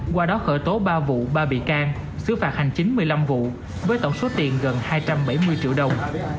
qua đó khởi tố ba vụ ba bị can xứ phạt hành chính một mươi năm vụ với tổng số tiền gần hai trăm bảy mươi triệu đồng